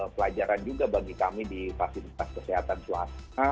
pelajaran juga bagi kami di fasilitas kesehatan swasta